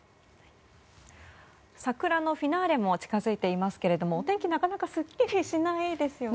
桜のフィナーレも近づいていますけどもお天気、なかなかすっきりしないですよね。